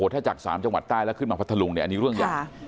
ถ้าจาก๓จังหวัดใต้แล้วขึ้นมาพัทธลุงเนี่ยอันนี้เรื่องใหญ่